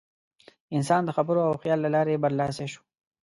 انسان د خبرو او خیال له لارې برلاسی شو.